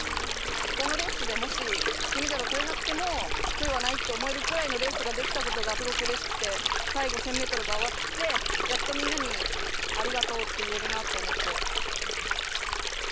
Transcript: このレースで、もし、金メダルを取れなくても悔いはないって思えるぐらいのレースができたことがすごくうれしくて、最後１０００ｍが終わってやっとみんなに「ありがとう」って言えるなって思って。